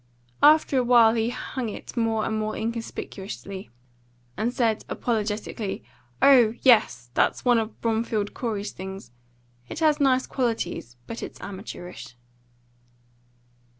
After a while he hung it more and more inconspicuously, and said apologetically, "Oh yes! that's one of Bromfield Corey's things. It has nice qualities, but it's amateurish."